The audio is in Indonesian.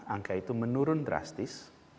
angka itu menurun drastis